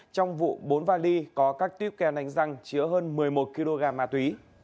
trong vụ bốn vali có các tiếp kè nánh răng chứa hơn một mươi một kg ma túy